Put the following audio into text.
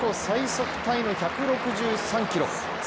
最速タイの１６３キロ。